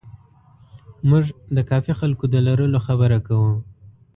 موږ د کافي خلکو د لرلو خبره کوو.